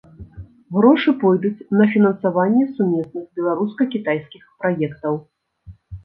Грошы пойдуць на фінансаванне сумесных беларуска-кітайскіх праектаў.